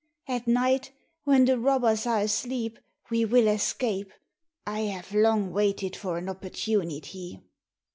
At night, when the robbers are asleep, we will escape; I have long waited for an opportunity."